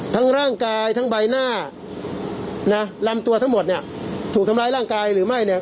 ทั้งร่างกายทั้งใบหน้านะลำตัวทั้งหมดเนี่ยถูกทำร้ายร่างกายหรือไม่เนี่ย